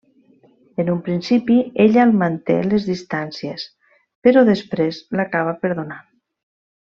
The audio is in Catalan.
En un principi, ella el manté les distàncies però després l'acaba perdonant.